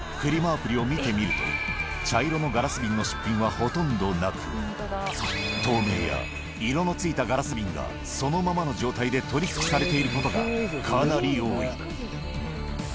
アプリを見てみると、茶色のガラス瓶の出品はほとんどなく、透明や色のついたガラス瓶が、そのままの状態で取り引きされていることがかなり多い。